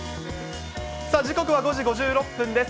時刻は５時５６分です。